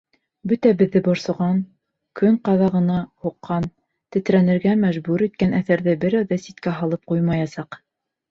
Бөтәбеҙҙе борсоған, көн ҡаҙағына һуҡҡан, тетрәнергә мәжбүр иткән әҫәрҙе берәү ҙә ситкә һалып ҡуймаясаҡ.